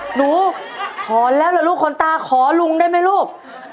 หนูถอนแล้วเหรอลูกขนตาขอลุงได้ไหมลูก